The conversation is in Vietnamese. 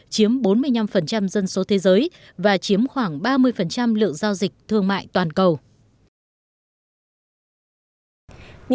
chiếm bốn mươi năm dân số thế giới và chiếm khoảng ba mươi lượng giao dịch thương mại toàn cầu